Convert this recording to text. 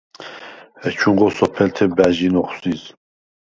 ეჩუნღო სოფელთე ბა̈ჟინ ოხვზიზ.